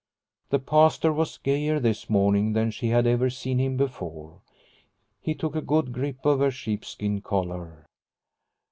The Pastor was gayer this morning than she had ever seen him before. He took a good grip of her sheep skin collar.